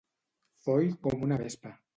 Foll com una vespa.